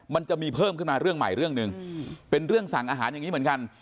มันจะมีเพิ่มขึ้นมาเรื่องใหม่เรื่องหนึ่งเป็นเรื่องสั่งอาหารอย่างนี้เหมือนกัน